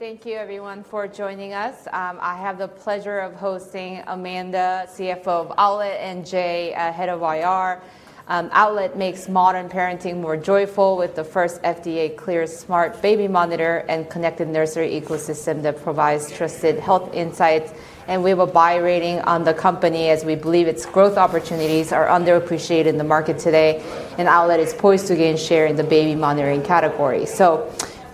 Thank you everyone for joining us. I have the pleasure of hosting Amanda, CFO of Owlet, and Jay, head of IR. Owlet makes modern parenting more joyful with the first FDA-cleared smart baby monitor and connected nursery ecosystem that provides trusted health insights. We have a buy rating on the company, as we believe its growth opportunities are underappreciated in the market today, and Owlet is poised to gain share in the baby monitoring category.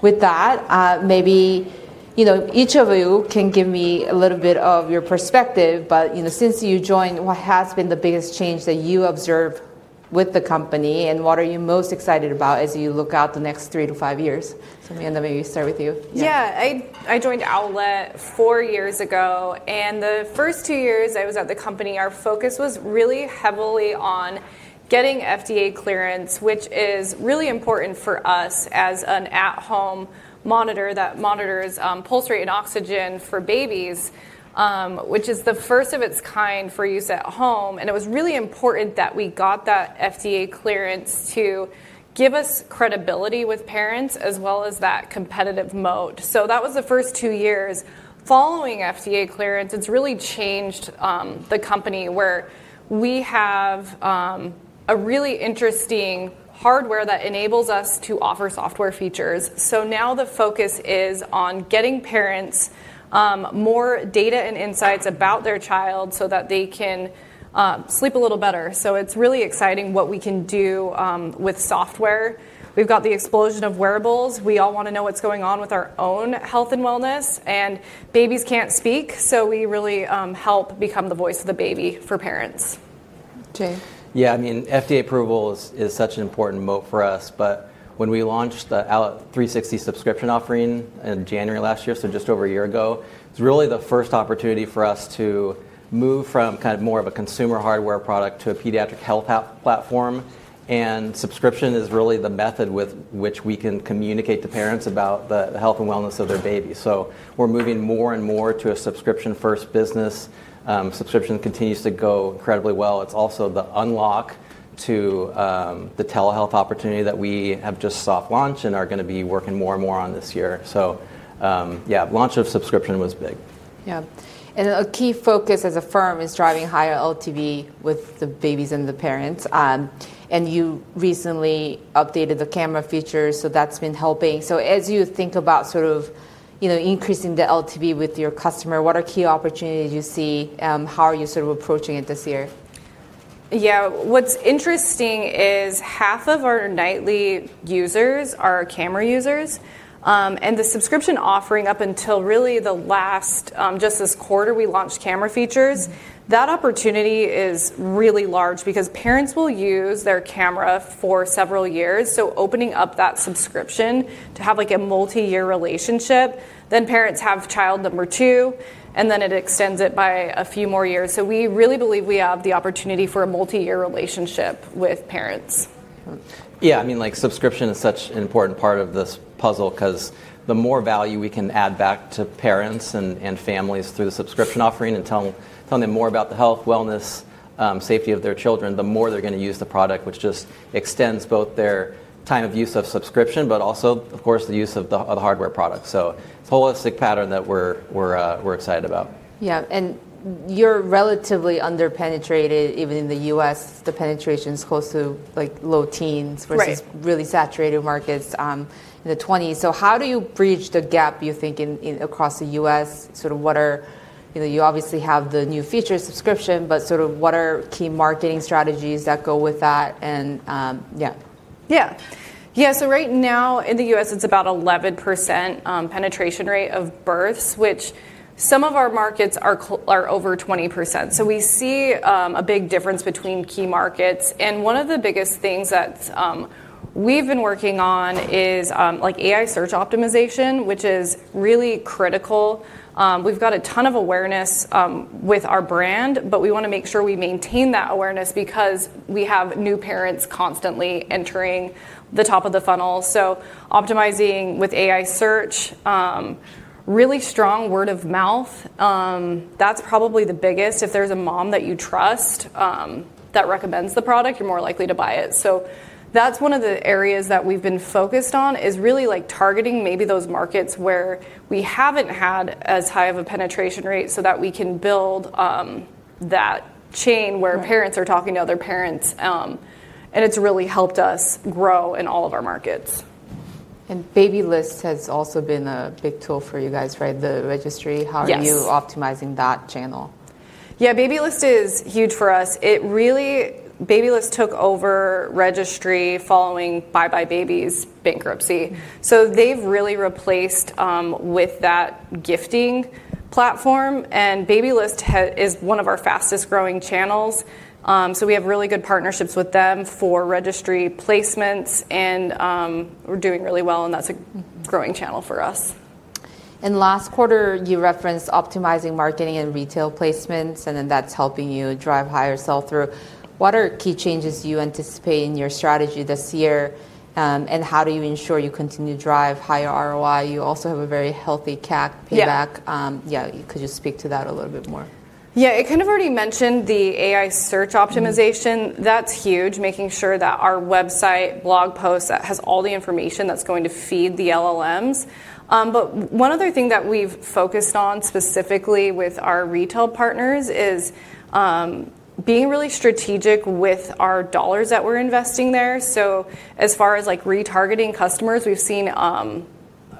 With that, maybe each of you can give me a little bit of your perspective, but since you joined, what has been the biggest change that you observe with the company, and what are you most excited about as you look out the next three to five years? Amanda, maybe start with you. Yeah. I joined Owlet four years ago, and the first two years I was at the company, our focus was really heavily on getting FDA clearance, which is really important for us as an at-home monitor that monitors pulse rate and oxygen for babies, which is the first of its kind for use at home. It was really important that we got that FDA clearance to give us credibility with parents as well as that competitive moat. That was the first two years. Following FDA clearance, it's really changed the company, where we have a really interesting hardware that enables us to offer software features. Now the focus is on getting parents more data and insights about their child so that they can sleep a little better. It's really exciting what we can do with software. We've got the explosion of wearables. We all want to know what's going on with our own health and wellness, and babies can't speak, so we really help become the voice of the baby for parents. Jay. Yeah. FDA approval is such an important moat for us. When we launched the Owlet360 subscription offering in January last year, so just over a year ago, it was really the first opportunity for us to move from more of a consumer hardware product to a pediatric health platform. Subscription is really the method with which we can communicate to parents about the health and wellness of their babies. We're moving more and more to a subscription-first business. Subscription continues to go incredibly well. It's also the unlock to the telehealth opportunity that we have just soft launched and are going to be working more and more on this year. Yeah, launch of subscription was big. Yeah. A key focus as a firm is driving higher LTV with the babies and the parents. You recently updated the camera features, so that's been helping. As you think about increasing the LTV with your customer, what are key opportunities you see? How are you approaching it this year? Yeah. What's interesting is half of our nightly users are camera users. The subscription offering, up until really just this quarter, we launched camera features. That opportunity is really large because parents will use their camera for several years. Opening up that subscription to have a multi-year relationship, then parents have child number two, and then it extends it by a few more years. We really believe we have the opportunity for a multi-year relationship with parents. Yeah. Subscription is such an important part of this puzzle because the more value we can add back to parents and families through the subscription offering and tell them more about the health, wellness, safety of their children, the more they're going to use the product, which just extends both their time of use of subscription, but also, of course, the use of the hardware product. This is a holistic pattern that we're excited about. Yeah. You're relatively under-penetrated, even in the U.S., the penetration's close to low teens. Right versus really saturated markets in the 20s. How do you bridge the gap, you think, across the U.S.? You obviously have the new feature subscription, what are key marketing strategies that go with that and, yeah. Yeah. Right now in the U.S., it's about 11% penetration rate of births, which some of our markets are over 20%. We see a big difference between key markets, and one of the biggest things that we've been working on is AI search optimization, which is really critical. We've got a ton of awareness with our brand, but we want to make sure we maintain that awareness because we have new parents constantly entering the top of the funnel. Optimizing with AI search, really strong word of mouth, that's probably the biggest. If there's a mom that you trust that recommends the product, you're more likely to buy it. That's one of the areas that we've been focused on, is really targeting maybe those markets where we haven't had as high of a penetration rate so that we can build that chain where parents are talking to other parents. It's really helped us grow in all of our markets. Babylist has also been a big tool for you guys, right? The registry. Yes. How are you optimizing that channel? Yeah. Babylist is huge for us. Babylist took over registry following buybuy BABY's bankruptcy. They've really replaced with that gifting platform, and Babylist is one of our fastest-growing channels. We have really good partnerships with them for registry placements, and we're doing really well, and that's a growing channel for us. In last quarter, you referenced optimizing marketing and retail placements, that's helping you drive higher sell-through. What are key changes you anticipate in your strategy this year? How do you ensure you continue to drive higher ROI? You also have a very healthy CAC payback. Could you speak to that a little bit more? Yeah. I kind of already mentioned the AI search optimization. That's huge, making sure that our website blog post has all the information that's going to feed the LLMs. One other thing that we've focused on, specifically with our retail partners, is being really strategic with our dollars that we're investing there. As far as retargeting customers, we've seen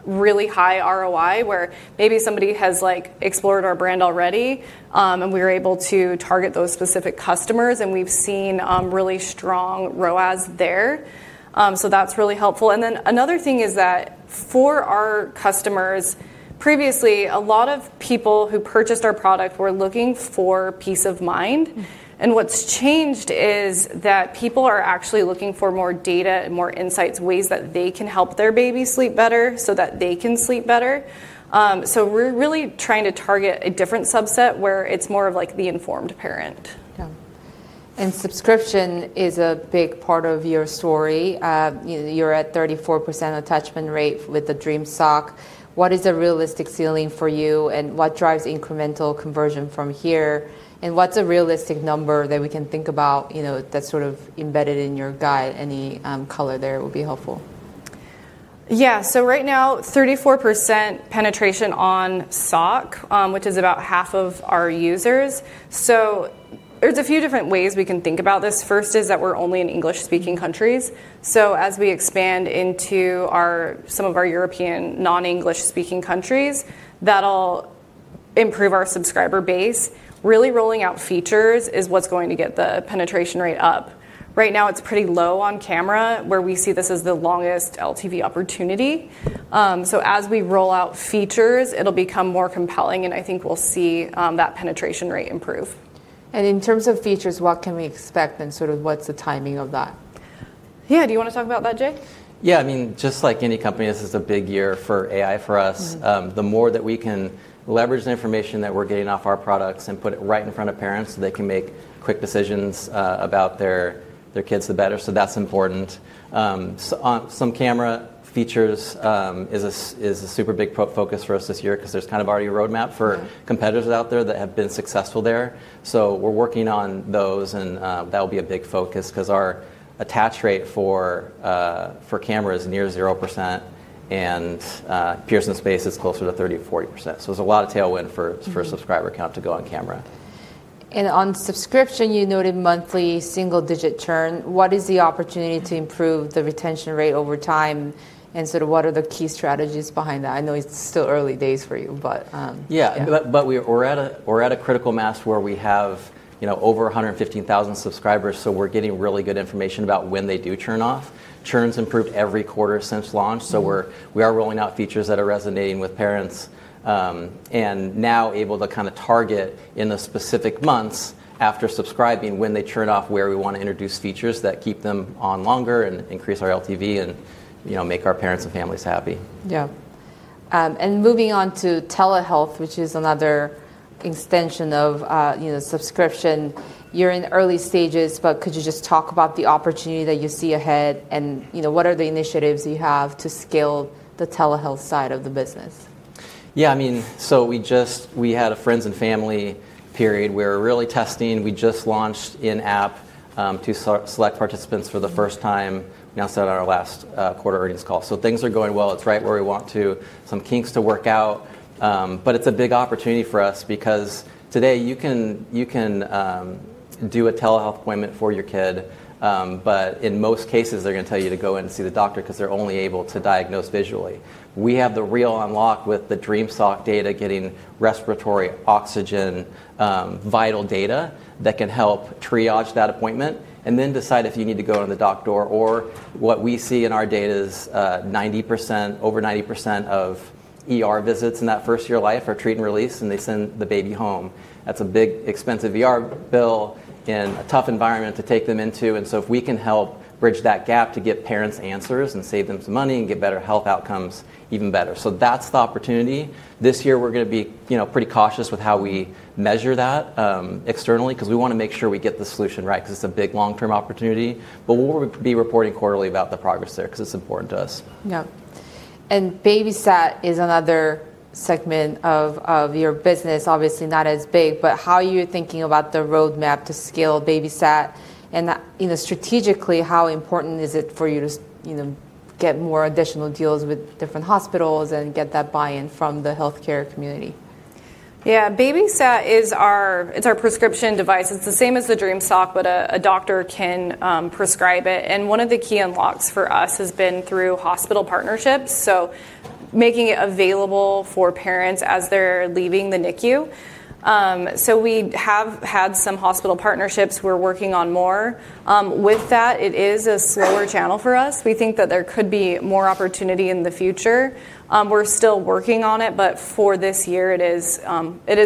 really high ROI where maybe somebody has explored our brand already, and we're able to target those specific customers, and we've seen really strong ROAS there. That's really helpful. Another thing is that for our customers, previously, a lot of people who purchased our product were looking for peace of mind. What's changed is that people are actually looking for more data and more insights, ways that they can help their baby sleep better so that they can sleep better. We're really trying to target a different subset where it's more of the informed parent. Yeah. Subscription is a big part of your story. You're at 34% attachment rate with the Dream Sock. What is a realistic ceiling for you, and what drives incremental conversion from here? What's a realistic number that we can think about, that's sort of embedded in your guide? Any color there would be helpful. Yeah. Right now, 34% penetration on Sock, which is about half of our users. There's a few different ways we can think about this. First is that we're only in English-speaking countries. As we expand into some of our European non-English speaking countries, that'll improve our subscriber base. Really rolling out features is what's going to get the penetration rate up. Right now, it's pretty low on camera, where we see this as the longest LTV opportunity. As we roll out features, it'll become more compelling, and I think we'll see that penetration rate improve. In terms of features, what can we expect, and sort of what's the timing of that? Yeah. Do you want to talk about that, Jay? Yeah. I mean, just like any company, this is a big year for AI for us. The more that we can leverage the information that we're getting off our products and put it right in front of parents so they can make quick decisions about their kids, the better. That's important. Some camera features is a super big focus for us this year because there's kind of already a roadmap for competitors out there that have been successful there. We're working on those, and that'll be a big focus because our attach rate for camera is near 0%, and peers in the space is closer to 30%-40%. There's a lot of tailwind subscriber count to go on camera. On subscription, you noted monthly single-digit churn. What is the opportunity to improve the retention rate over time, and sort of what are the key strategies behind that? I know it's still early days for you. We're at a critical mass where we have over 115,000 subscribers, so we're getting really good information about when they do churn off. Churn's improved every quarter since launch. We are rolling out features that are resonating with parents, and now able to target in the specific months after subscribing, when they churn off, where we want to introduce features that keep them on longer and increase our LTV, and make our parents and families happy. Yeah. Moving on to telehealth, which is another extension of subscription. You're in early stages, but could you just talk about the opportunity that you see ahead, and what are the initiatives you have to scale the telehealth side of the business? Yeah. I mean, we had a friends and family period. We're really testing. We just launched in-app to select participants for the first time, and we also had our last quarter earnings call. Things are going well. It's right where we want to. Some kinks to work out. It's a big opportunity for us because today you can do a telehealth appointment for your kid, but in most cases, they're going to tell you to go in and see the doctor because they're only able to diagnose visually. We have the real unlock with the Dream Sock data, getting respiratory oxygen, vital data that can help triage that appointment and then decide if you need to go to the doctor or what we see in our data is over 90% of ER visits in that first year of life are treat and release, and they send the baby home. That's a big expensive ER bill and a tough environment to take them into. If we can help bridge that gap to get parents answers and save them some money and get better health outcomes, even better. That's the opportunity. This year, we're going to be pretty cautious with how we measure that externally, because we want to make sure we get the solution right, because it's a big long-term opportunity. We'll be reporting quarterly about the progress there because it's important to us. Yeah. BabySat is another segment of your business. Obviously, not as big, how are you thinking about the roadmap to scale BabySat? Strategically, how important is it for you to get more additional deals with different hospitals and get that buy-in from the healthcare community? Yeah. BabySat is our prescription device. It's the same as the Dream Sock, but a doctor can prescribe it. One of the key unlocks for us has been through hospital partnerships, so making it available for parents as they're leaving the NICU. We have had some hospital partnerships. We're working on more. With that, it is a slower channel for us. We think that there could be more opportunity in the future. We're still working on it, but for this year, it is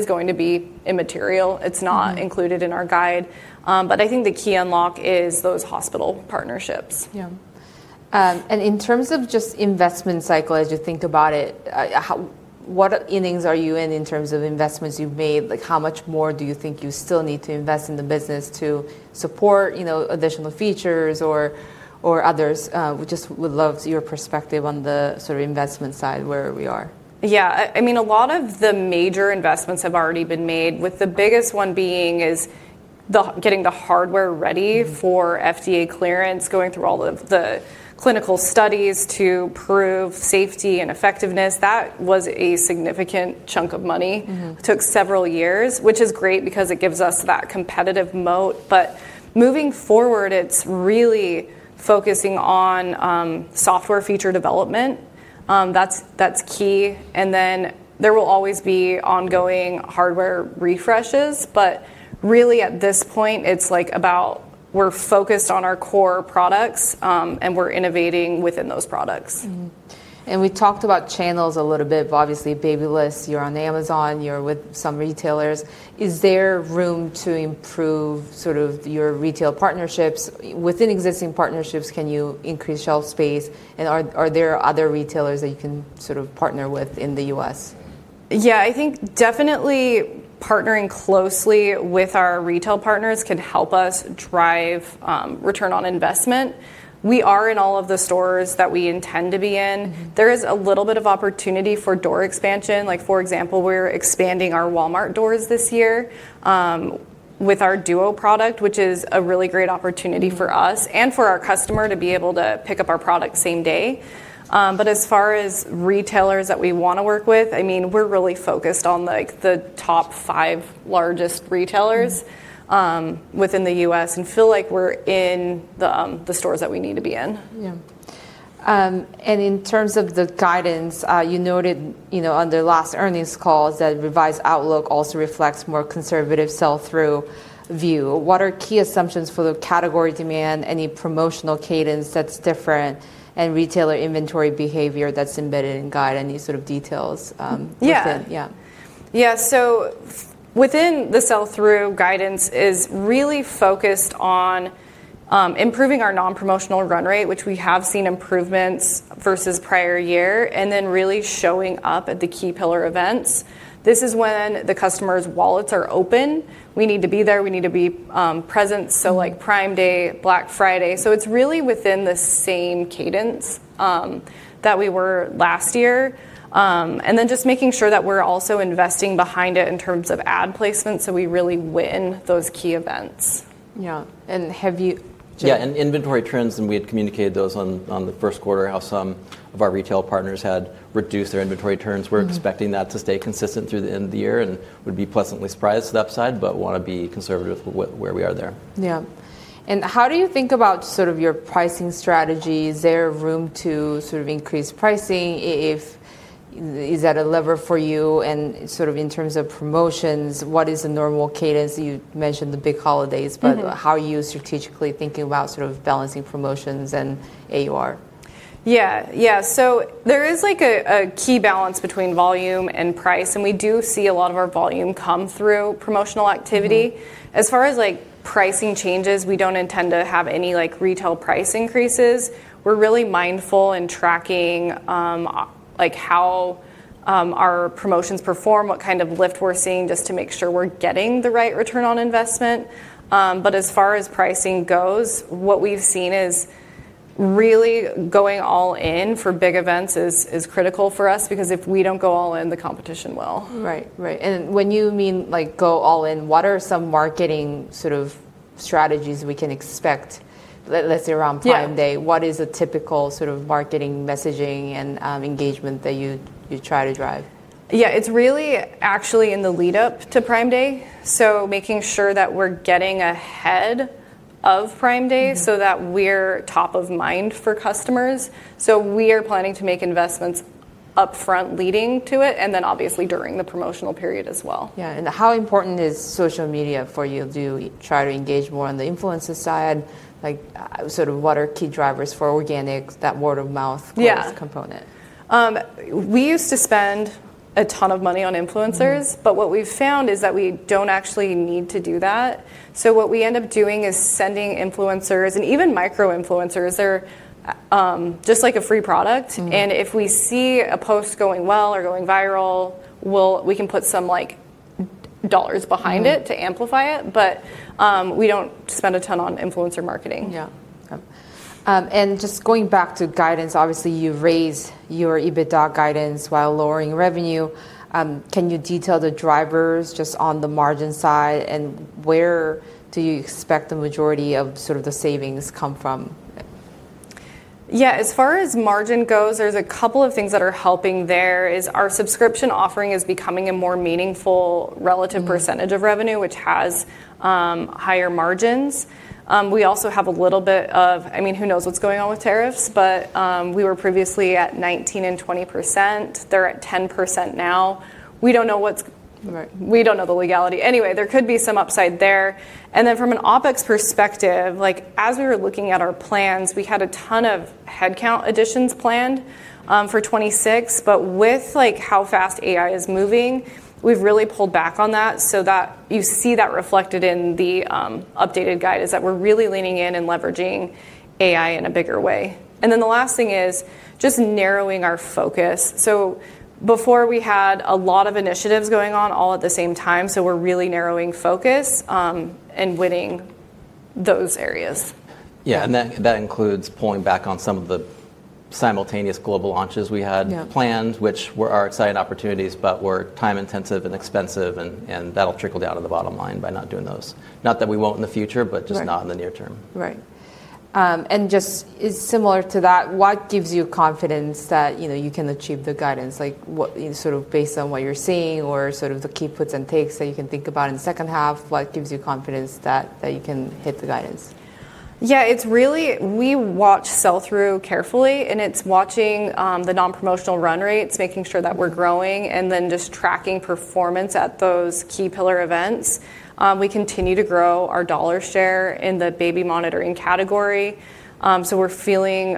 going to be immaterial. It's not included in our guide. I think the key unlock is those hospital partnerships. Yeah. In terms of just investment cycle, as you think about it, what innings are you in in terms of investments you've made? How much more do you think you still need to invest in the business to support additional features or others? We just would love your perspective on the sort of investment side, where we are. Yeah. I mean, a lot of the major investments have already been made, with the biggest one being getting the hardware ready for FDA clearance, going through all of the clinical studies to prove safety and effectiveness, that was a significant chunk of money. Took several years, which is great because it gives us that competitive moat. Moving forward, it's really focusing on software feature development. That's key, and then there will always be ongoing hardware refreshes, but really at this point, it's about we're focused on our core products, and we're innovating within those products. We talked about channels a little bit, but obviously Babylist, you're on Amazon, you're with some retailers. Is there room to improve sort of your retail partnerships? Within existing partnerships, can you increase shelf space? Are there other retailers that you can sort of partner with in the U.S.? Yeah, I think definitely partnering closely with our retail partners can help us drive return on investment. We are in all of the stores that we intend to be in. There is a little bit of opportunity for door expansion. Like for example, we're expanding our Walmart doors this year, with our Duo product, which is a really great opportunity for us. For our customer to be able to pick up our product same day. As far as retailers that we want to work with, we're really focused on the top five largest retailers within the U.S. and feel like we're in the stores that we need to be in. Yeah. In terms of the guidance, you noted, on the last earnings calls that revised outlook also reflects more conservative sell-through view. What are key assumptions for the category demand, any promotional cadence that's different, and retailer inventory behavior that's embedded in guide? Any sort of details within? Yeah. Within the sell-through, guidance is really focused on improving our non-promotional run rate, which we have seen improvements versus prior year, and then really showing up at the key pillar events. This is when the customers' wallets are open. We need to be there. We need to be present. Like Prime Day, Black Friday. It's really within the same cadence that we were last year. Just making sure that we're also investing behind it in terms of ad placement, so we really win those key events. Yeah. Yeah, inventory trends, and we had communicated those on the first quarter, how some of our retail partners had reduced their inventory turns. We're expecting that to stay consistent through the end of the year, and would be pleasantly surprised at the upside, but want to be conservative with where we are there. Yeah. How do you think about your pricing strategy? Is there room to increase pricing? Is that a lever for you? In terms of promotions, what is the normal cadence? You mentioned the big holidays. How are you strategically thinking about balancing promotions and AUR? There is a key balance between volume and price, and we do see a lot of our volume come through promotional activity. As far as pricing changes, we don't intend to have any retail price increases. We're really mindful in tracking how our promotions perform, what kind of lift we're seeing, just to make sure we're getting the right return on investment. As far as pricing goes, what we've seen is really going all in for big events is critical for us because if we don't go all in, the competition will. Right. When you mean go all in, what are some marketing sort of strategies we can expect, let's say around Prime Day? Yeah. What is a typical sort of marketing messaging and engagement that you try to drive? Yeah, it's really actually in the lead-up to Prime Day, so making sure that we're getting ahead of Prime Day so that we're top of mind for customers. We are planning to make investments up front leading to it, and then obviously during the promotional period as well. Yeah. How important is social media for you? Do you try to engage more on the influencer side? Like, sort of what are key drivers for organic, that word of mouth component? We used to spend a ton of money on influencers. What we've found is that we don't actually need to do that. What we end up doing is sending influencers, and even micro-influencers, they're just like a free product. If we see a post going well or going viral, we can put some dollars behind it to amplify it. We don't spend a ton on influencer marketing. Yeah. Just going back to guidance, obviously you've raised your EBITDA guidance while lowering revenue. Can you detail the drivers just on the margin side, and where do you expect the majority of sort of the savings come from? Yeah. As far as margin goes, there's a couple of things that are helping there, is our subscription offering is becoming a more meaningful relative percentage of revenue, which has higher margins. We also have a little bit of, who knows what's going on with tariffs, but we were previously at 19% and 20%. They're at 10% now. We don't know the legality. There could be some upside there. From an OpEx perspective, as we were looking at our plans, we had a ton of headcount additions planned for 2026. With how fast AI is moving, we've really pulled back on that, so you see that reflected in the updated guidance, that we're really leaning in and leveraging AI in a bigger way. The last thing is just narrowing our focus. Before we had a lot of initiatives going on all at the same time, we're really narrowing focus those areas. Yeah, that includes pulling back on some of the simultaneous global launches we had planned, which were our exciting opportunities, but were time-intensive and expensive, and that'll trickle down to the bottom line by not doing those. Not that we won't in the future, not in the near term. Right. Just similar to that, what gives you confidence that you can achieve the guidance? Like what, sort of based on what you're seeing or sort of the key puts and takes that you can think about in the second half, what gives you confidence that you can hit the guidance? Yeah, it's really, we watch sell-through carefully, and it's watching the non-promotional run rates, making sure that we're growing, and then just tracking performance at those key pillar events. We continue to grow our dollar share in the baby monitoring category. We're feeling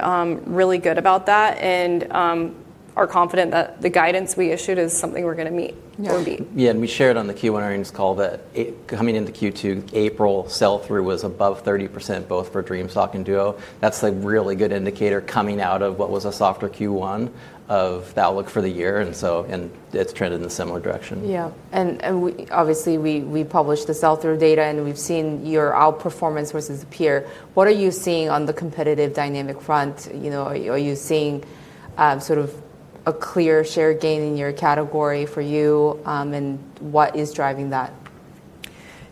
really good about that and are confident that the guidance we issued is something we're going to meet or beat. Yeah, we shared on the Q1 earnings call that coming into Q2, April sell-through was above 30%, both for Dream Sock and Dream Duo. That's a really good indicator coming out of what was a softer Q1 of the outlook for the year, and it's trending in a similar direction. Yeah. Obviously, we published the sell-through data, and we've seen your outperformance versus peer. What are you seeing on the competitive dynamic front? Are you seeing sort of a clear share gain in your category for you? What is driving that?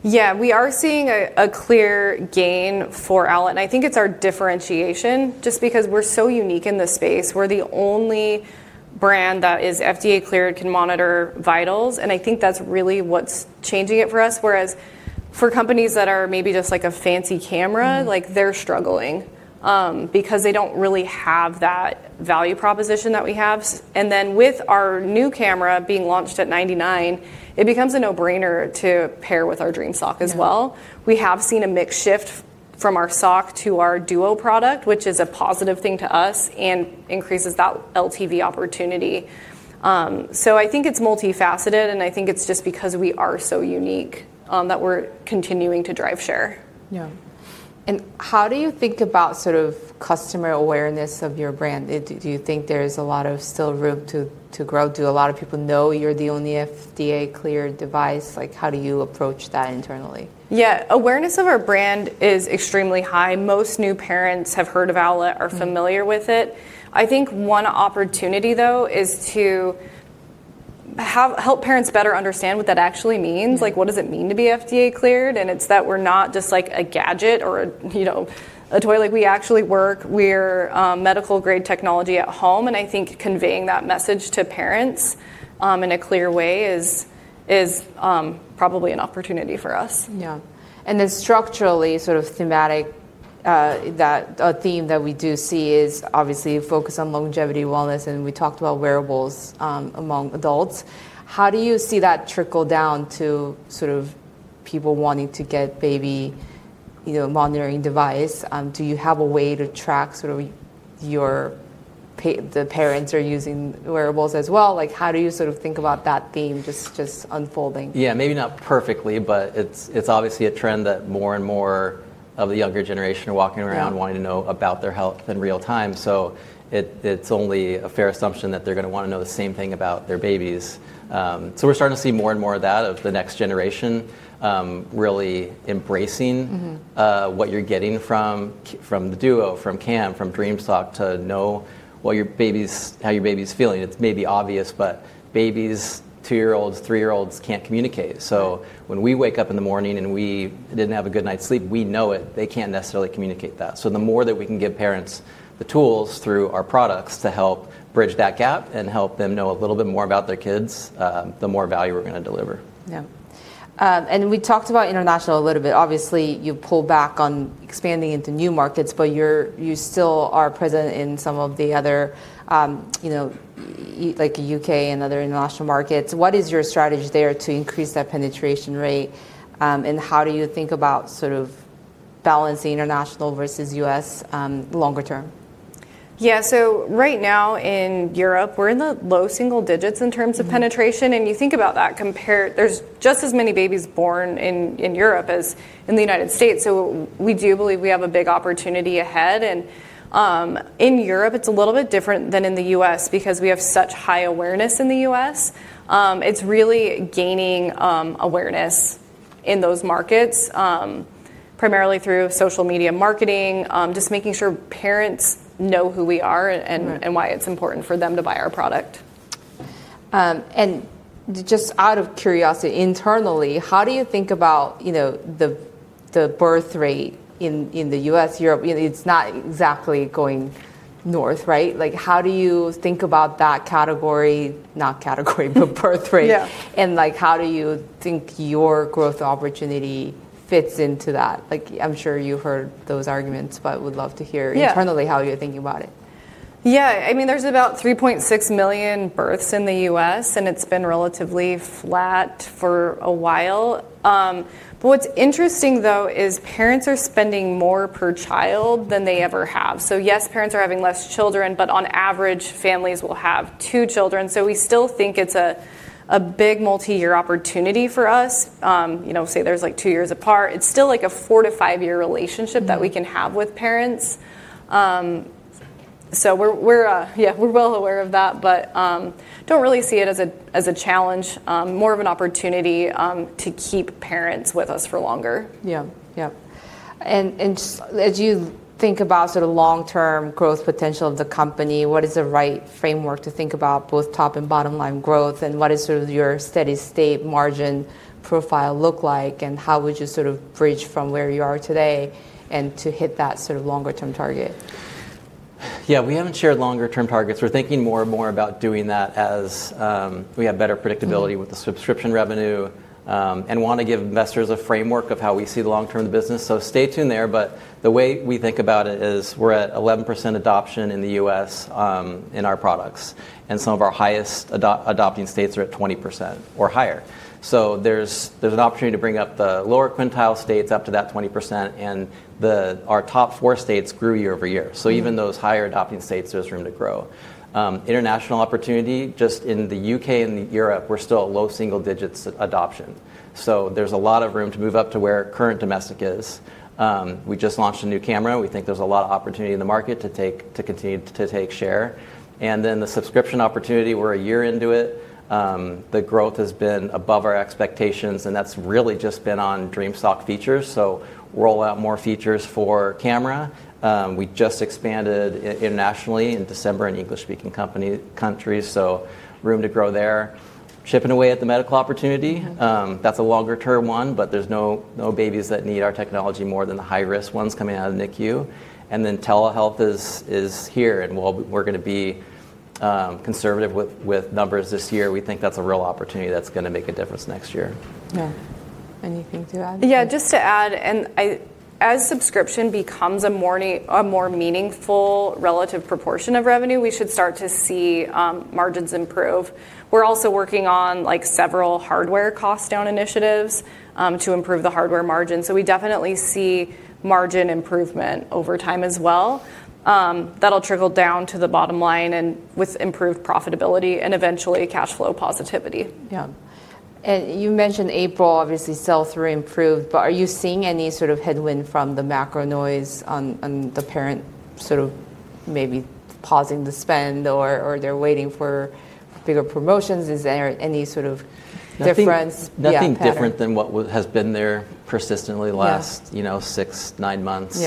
We are seeing a clear gain for Owlet, and I think it's our differentiation just because we're so unique in this space. We're the only brand that is FDA-cleared, can monitor vitals, and I think that's really what's changing it for us. Whereas for companies that are maybe just like a fancy camera, like they're struggling because they don't really have that value proposition that we have. With our new camera being launched at $99, it becomes a no-brainer to pair with our Dream Sock as well. We have seen a mix shift from our Sock to our Duo product, which is a positive thing to us and increases that LTV opportunity. I think it's multifaceted, and I think it's just because we are so unique that we're continuing to drive share. Yeah. How do you think about sort of customer awareness of your brand? Do you think there is a lot of still room to grow? Do a lot of people know you're the only FDA-cleared device? Like how do you approach that internally? Yeah. Awareness of our brand is extremely high. Most new parents have heard of Owlet are familiar with it. I think one opportunity, though, is to help parents better understand what that actually means. Like what does it mean to be FDA cleared? It's that we're not just like a gadget or a toy. Like we actually work. We're medical-grade technology at home, and I think conveying that message to parents in a clear way is probably an opportunity for us. Yeah. Structurally sort of thematic, that a theme that we do see is obviously a focus on longevity wellness, and we talked about wearables among adults. How do you see that trickle down to sort of people wanting to get baby monitoring device? Do you have a way to track sort of your, the parents are using wearables as well? Like how do you sort of think about that theme just unfolding? Yeah, maybe not perfectly, but it's obviously a trend that more and more of the younger generation are walking around, wanting to know about their health in real time, it's only a fair assumption that they're going to want to know the same thing about their babies. We're starting to see more and more of that, of the next generation. What you're getting from the Duo, from Cam, from Dream Sock, to know how your baby's feeling. It's maybe obvious, but babies, two-year-olds, three-year-olds, can't communicate. When we wake up in the morning, and we didn't have a good night's sleep, we know it. They can't necessarily communicate that. The more that we can give parents the tools through our products to help bridge that gap and help them know a little bit more about their kids, the more value we're going to deliver. Yeah. We talked about international a little bit. Obviously, you pulled back on expanding into new markets, but you still are present in some of the other, like U.K. and other international markets. What is your strategy there to increase that penetration rate? How do you think about sort of balancing international versus U.S. longer term? Yeah. Right now in Europe, we're in the low single digits in terms of penetration. You think about that compared, there's just as many babies born in Europe as in the U.S. We do believe we have a big opportunity ahead. In Europe, it's a little bit different than in the U.S. because we have such high awareness in the U.S. It's really gaining awareness in those markets, primarily through social media marketing, just making sure parents know who we are and why it's important for them to buy our product. Just out of curiosity, internally, how do you think about the birth rate in the U.S., Europe? It's not exactly going north, right? Like how do you think about that category? Not category, but birth rate. Yeah. Like how do you think your growth opportunity fits into that? Like I'm sure you've heard those arguments internally how you're thinking about it. Yeah. I mean, there's about 3.6 million births in the U.S. It's been relatively flat for a while. What's interesting though is parents are spending more per child than they ever have. Yes, parents are having less children, but on average, families will have two children. We still think it's a big multi-year opportunity for us. Say there's like two years apart, it's still like a four to five-year relationship that we can have with parents. We're well aware of that, but don't really see it as a challenge, more of an opportunity to keep parents with us for longer. Yeah. Yeah. As you think about sort of long-term growth potential of the company, what is the right framework to think about both top and bottom line growth, and what is sort of your steady state margin profile look like, and how would you sort of bridge from where you are today and to hit that sort of longer term target? Yeah, we haven't shared longer term targets. We're thinking more and more about doing that as we have better predictability with the subscription revenue, and want to give investors a framework of how we see the long-term business. Stay tuned there. The way we think about it is we're at 11% adoption in the U.S. in our products. Some of our highest adopting states are at 20% or higher. There's an opportunity to bring up the lower quintile states up to that 20%. Our top four states grew year-over-year. Even those higher adopting states, there's room to grow. International opportunity, just in the U.K. and Europe, we're still at low single digits adoption. There's a lot of room to move up to where current domestic is. We just launched a new camera. We think there's a lot of opportunity in the market to continue to take share. The subscription opportunity, we're a year into it. The growth has been above our expectations, and that's really just been on Dream Sock features. Roll out more features for camera. We just expanded internationally in December in English-speaking countries, so room to grow there. Chipping away at the medical opportunity. That's a longer-term one, but there's no babies that need our technology more than the high-risk ones coming out of NICU. Telehealth is here, and we're going to be conservative with numbers this year. We think that's a real opportunity that's going to make a difference next year. Yeah. Anything to add? Yeah, just to add, as subscription becomes a more meaningful relative proportion of revenue, we should start to see margins improve. We're also working on several hardware cost down initiatives to improve the hardware margin. We definitely see margin improvement over time as well. That'll trickle down to the bottom line and with improved profitability and eventually cash flow positivity. Yeah. You mentioned April, obviously sales rate improved, but are you seeing any sort of headwind from the macro noise on the parent sort of maybe pausing the spend or they're waiting for bigger promotions? Is there any sort of difference? Nothing different than what has been there persistently last six, nine months.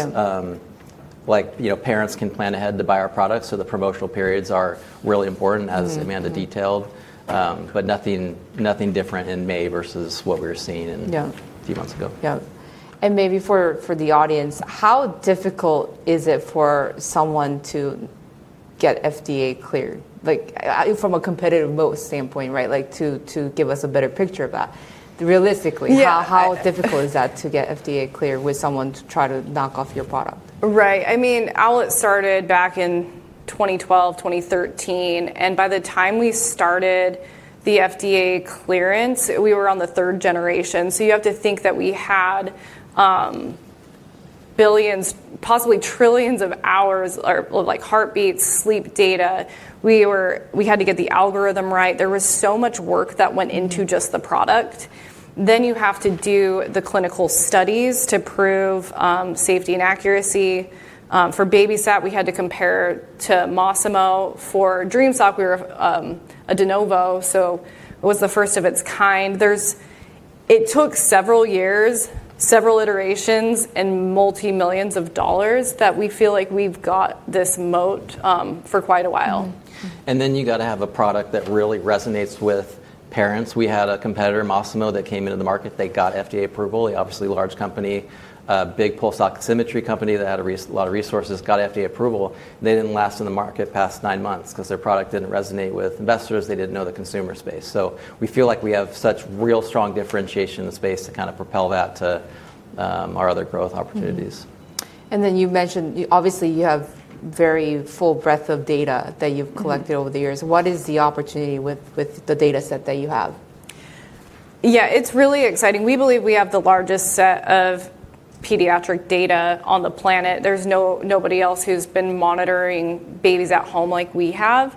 Like, parents can plan ahead to buy our products, so the promotional periods are really important as Amanda detailed. Nothing different in May versus what we were seeing in a few months ago. Yeah. Maybe for the audience, how difficult is it for someone to get FDA cleared? Like, from a competitive moat standpoint, right? Like, to give us a better picture of that how difficult is that to get FDA cleared with someone to try to knock off your product? Right. I mean, Owlet started back in 2012, 2013. By the time we started the FDA clearance, we were on the third generation. You have to think that we had billions, possibly trillions of hours or, like, heartbeats, sleep data. We had to get the algorithm right. There was so much work that went into just the product. You have to do the clinical studies to prove safety and accuracy. For BabySat, we had to compare to Masimo. For Dream Sock, we were a de novo. It was the first of its kind. It took several years, several iterations, and multi-millions dollars that we feel like we've got this moat for quite a while. You got to have a product that really resonates with parents. We had a competitor, Masimo, that came into the market. They got FDA approval. They're obviously a large company, a big pulse oximetry company that had a lot of resources, got FDA approval, and they didn't last in the market past nine months because their product didn't resonate with investors. They didn't know the consumer space. We feel like we have such real strong differentiation in the space to kind of propel that to our other growth opportunities. You mentioned, obviously you have very full breadth of data that you've collected over the years. What is the opportunity with the data set that you have? Yeah. It's really exciting. We believe we have the largest set of pediatric data on the planet. There's nobody else who's been monitoring babies at home like we have.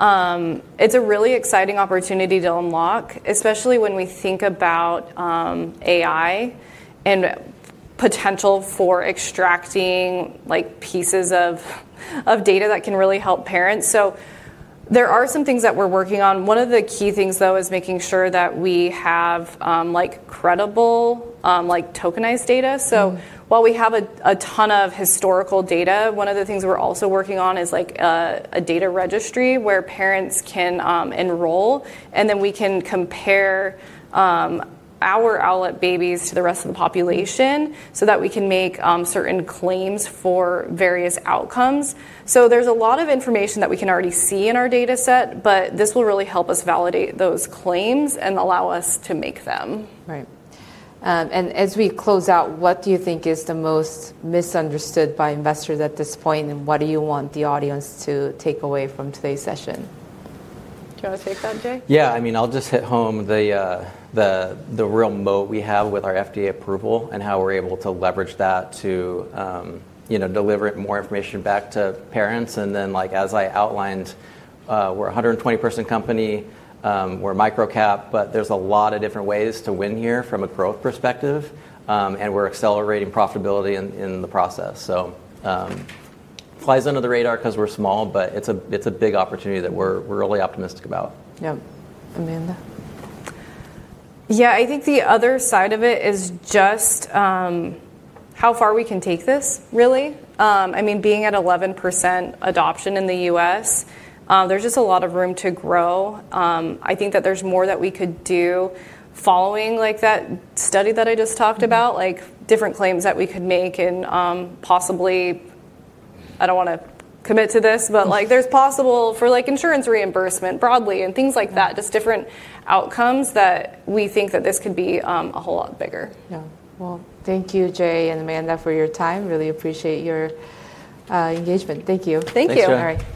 It's a really exciting opportunity to unlock, especially when we think about AI and potential for extracting pieces of data that can really help parents. There are some things that we're working on. One of the key things though is making sure that we have credible tokenized data. While we have a ton of historical data, one of the things we're also working on is a data registry where parents can enroll, and then we can compare our Owlet babies to the rest of the population so that we can make certain claims for various outcomes. There's a lot of information that we can already see in our data set, but this will really help us validate those claims and allow us to make them. Right. As we close out, what do you think is the most misunderstood by investors at this point, and what do you want the audience to take away from today's session? Do you want to take that, Jay? Yeah. I mean, I'll just hit home the real moat we have with our FDA approval and how we're able to leverage that to deliver more information back to parents. As I outlined, we're a 120-person company. We're microcap, there's a lot of different ways to win here from a growth perspective. We're accelerating profitability in the process. Flies under the radar because we're small, it's a big opportunity that we're really optimistic about. Yep. Amanda? Yeah, I think the other side of it is just how far we can take this really. Being at 11% adoption in the U.S., there's just a lot of room to grow. I think that there's more that we could do following that study that I just talked about. Like, different claims that we could make and possibly, I don't want to commit to this, but there's possible for insurance reimbursement broadly and things like that. Just different outcomes that we think that this could be a whole lot bigger. Yeah. Well, thank you, Jay and Amanda for your time. Really appreciate your engagement. Thank you. Thank you. Thanks, Jo.